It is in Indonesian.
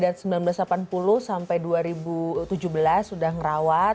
dari seribu sembilan ratus delapan puluh sampai dua ribu tujuh belas sudah ngerawat